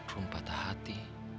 rum patah hati